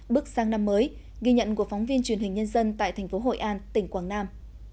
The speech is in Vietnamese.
bước sang năm mới ghi nhận của phóng viên truyền hình nhân dân tại thành phố hội an tỉnh quảng nam